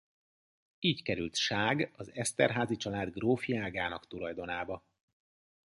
Így került Ság az Esterházy család grófi ágának tulajdonába.